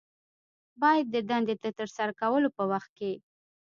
باید د دندې د ترسره کولو په وخت کې